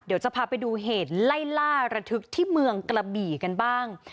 เดี๋ยวจะพาไปดูเหตุไล่ล่าระทึกที่เมืองกระบี่กันบ้าง